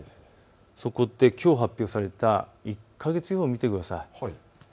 そこできょう発表された１か月予報、見てください。